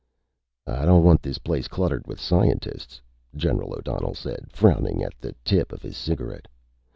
"I don't want this place cluttered with scientists," General O'Donnell said, frowning at the tip of his cigarette.